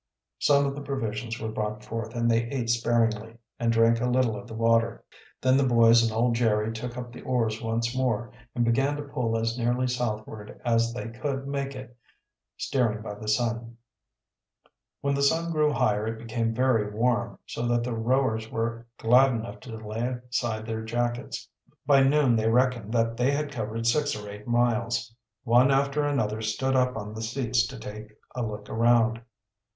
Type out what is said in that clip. Some of the provisions were brought forth and they ate sparingly, and drank a little of the water. Then the boys and old Jerry took up the oars once more and began to pull as nearly southward as they could make it, steering by the sun. When the sun grew higher it became very warm, so that the rowers were glad enough to lay aside their jackets. By noon they reckoned that they had covered six or eight miles. One after another stood up on the seats to take a look around.